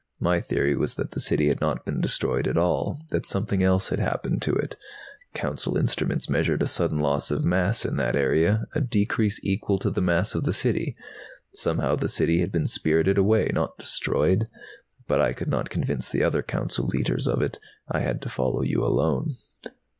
My theory was that the City had not been destroyed at all, that something else had happened to it. Council instruments measured a sudden loss of mass in that area, a decrease equal to the mass of the City. Somehow the City had been spirited away, not destroyed. But I could not convince the other Council Leiters of it. I had to follow you alone."